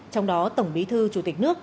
trong đó tổng bí thư chủ tịch nước